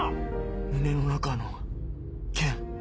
胸の中の剣。